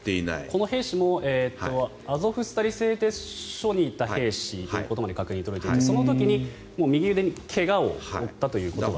この兵士もアゾフスタリ製鉄所にいた兵士ということまでは確認が取れていてその時に右腕に怪我を負ったということが。